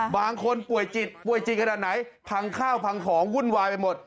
บางคนป่วยจิตป่วยจิตขนาดไหนพังข้าวพังของวุ่นวายไปหมด